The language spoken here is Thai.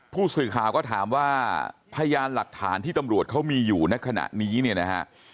ผู้สื่อข่าวก็ถามว่าพยานหลักฐานที่ตำรวจเขามีอยู่ในขณะนี้เนี่ยนะฮะ